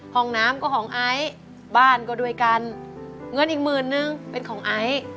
ห้องน้ำก็ของไอซ์บ้านก็ด้วยกันเงินอีกหมื่นนึงเป็นของไอซ์